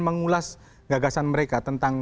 mengulas gagasan mereka tentang